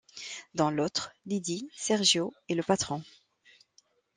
Dans l’autre, Lydie, Sergio, et le patron.